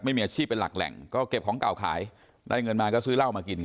ไม่มีอาชีพเป็นหลักแหล่งก็เก็บของเก่าขายแล้วได้เงินมาซื้อ